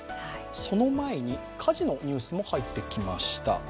その前に火事のニュースが入ってきました。